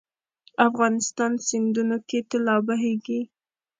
افغانستان سیندونو کې طلا بهیږي